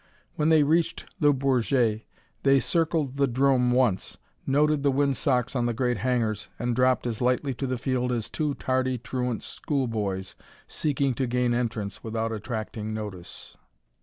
When they reached Le Bourget they circled the 'drome once, noted the wind socks on the great hangars, and dropped as lightly to the field as two tardy, truant schoolboys seeking to gain entrance without attracting notice.